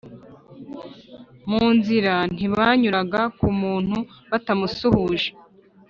Mu nzira, ntibanyuraga ku muntu batamusuhuje.